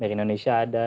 dari indonesia ada